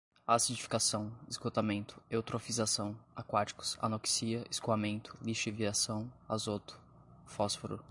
acidificação, esgotamento, eutrofização, aquáticos, anoxia, escoamento, lixiviação, azoto, fósforo